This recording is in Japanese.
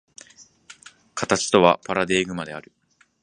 形とはパラデーグマである。